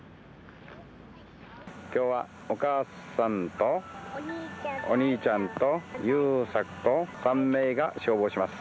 今日はお母さんとお兄ちゃんと優作と３名が勝負をします。